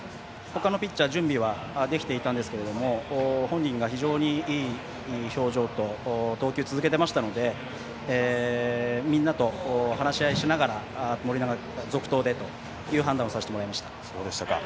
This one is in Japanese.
他のピッチャー準備はできていたんですけれども本人が非常にいい表情と投球を続けていたのでみんなと話し合いをしながら盛永を続投でという判断をさせていただきました。